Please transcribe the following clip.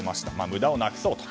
無駄をなくそうと。